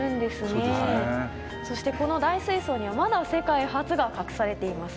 そしてこの大水槽にはまだ世界初が隠されています。